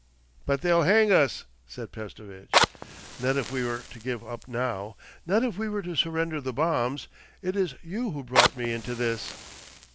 'But they'll hang us,' said Pestovitch. 'Not if we were to give up now. Not if we were to surrender the bombs. It is you who brought me into this....